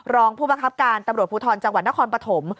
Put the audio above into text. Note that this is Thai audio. รองผู้บังคับการตำรวจภูทรจังหวัดนครปฐม